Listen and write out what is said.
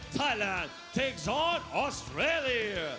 ไทยแลนด์เอิ้นเตอร์เทศออสเตอเรลี่ย